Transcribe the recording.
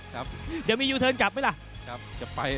ครับจะมียูเทิร์นกลับไหมล่ะ